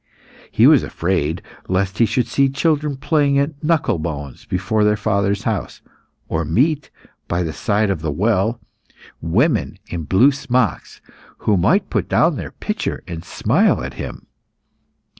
He was afraid lest he should see children playing at knuckle bones before their father's house, or meet, by the side of the well, women in blue smocks, who might put down their pitcher and smile at him.